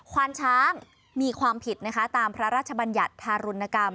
ควารช้างมีความผิดตามรัฐบรรยาชทรารณกรรม